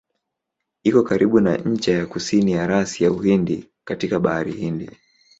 Iko karibu na ncha ya kusini ya rasi ya Uhindi katika Bahari Hindi.